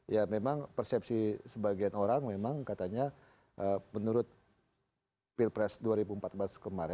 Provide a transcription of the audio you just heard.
ya memang persepsi sebagian orang memang katanya menurut pilpres dua ribu empat belas kemarin